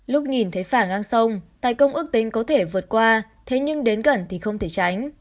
lúc nhìn thấy phả ngang sông tài công ước tính có thể vượt qua thế nhưng đến gần thì không thể tránh